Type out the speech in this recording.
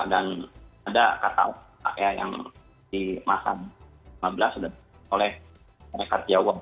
dan ada kata kata yang di masa lima belas sudah dikenalkan oleh mereka